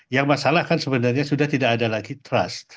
yang masalah kan sebenarnya sudah tidak ada lagi trust